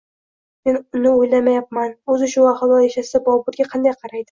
Men uni o`ylamayapman, o`zi shu ahvolda yashasa, Boburga qanday qaraydi